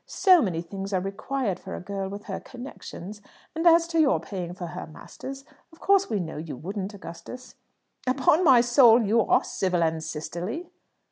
So many things are required for a girl with her connections; and as to your paying for her masters, of course we know you wouldn't, Augustus." "Upon my soul you are civil and sisterly!"